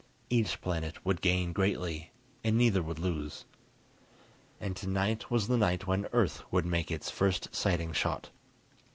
Each planet would gain greatly, and neither would lose. And tonight was the night when Earth would make its first sighting shot.